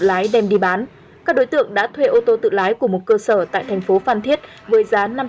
lái đem đi bán các đối tượng đã thuê ô tô tự lái của một cơ sở tại thành phố phan thiết với giá